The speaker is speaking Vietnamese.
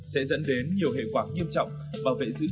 sẽ dẫn đến nhiều hệ quả nghiêm trọng